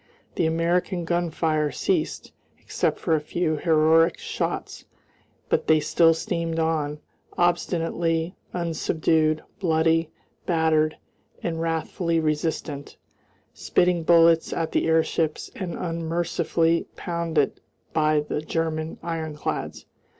The American gunfire ceased, except for a few heroic shots, but they still steamed on, obstinately unsubdued, bloody, battered, and wrathfully resistant, spitting bullets at the airships and unmercifully pounded by the German ironclads.